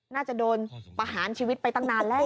น่าจะโดนประหารชีวิตไปตั้งนานแล้ว